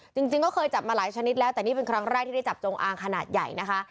จริงก็เคยจับมาหลายชนิดแล้วแต่นี่เป็นครั้งแรกที่ได้จับจงอางขนาดใหญ่นะคะ